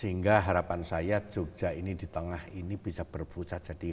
sehingga harapan saya jogja ini di tengah ini bisa berpusat jadi